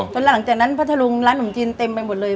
หลังจากนั้นพัทธรุงร้านขนมจีนเต็มไปหมดเลย